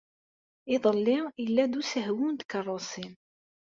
Iḍelli, yella-d usehwu n tkeṛṛusin.